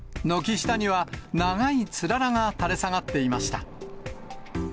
軒下には長いつららが垂れ下がっていました。